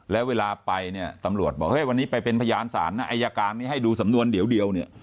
แล้วเวลาไปเนี่ยตำรวจบอกเฮ้ยวันนี้ไปเป็นพยานศาลนะอายการนี้ให้ดูสำนวนเดียวเนี่ย